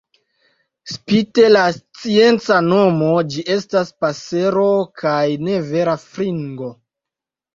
Spite la scienca nomo, ĝi estas pasero kaj ne vera fringo.